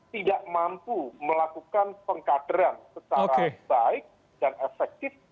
tidak mampu melakukan pengkaderan secara baik dan efektif